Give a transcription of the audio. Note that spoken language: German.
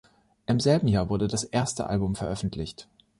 Im selben Jahr wurde das erste Album veröffentlicht.